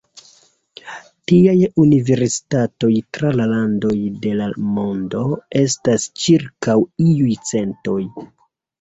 Tiaj universitatoj tra la landoj de la mondo estas ĉirkaŭ iuj centoj.